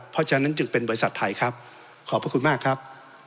เพราะฉะนั้นจึงเป็นบริษัทไทยครับขอบพระคุณมากครับ